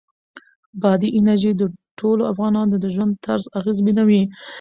بادي انرژي د ټولو افغانانو د ژوند طرز اغېزمنوي.